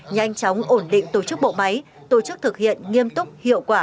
nhanh chóng ổn định tổ chức bộ máy tổ chức thực hiện nghiêm túc hiệu quả